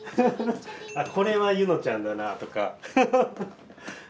これはゆのちゃんだなとか。